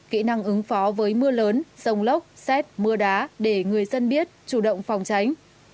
kỹ năng ứng phó với mưa lớn sông lốc xét mưa đá để người dân biết chủ động phòng tránh